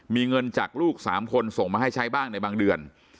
มีเงินจากลูก๓คนส่งมาให้ใช้บ้างในบางเดือน